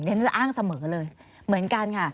ฉันจะอ้างเสมอเลยเหมือนกันค่ะ